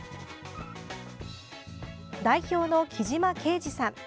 代表の木島敬二さん。